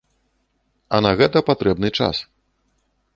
А на гэта патрэбны час.